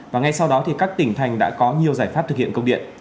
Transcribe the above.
và ngay sau đó thì các tỉnh thành đã có nhiều giải pháp thực hiện công điện